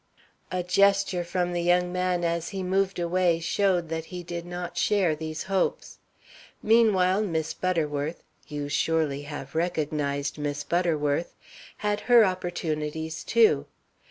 A gesture from the young man as he moved away showed that he did not share these hopes. Meanwhile Miss Butterworth you surely have recognized Miss Butterworth had her opportunities too.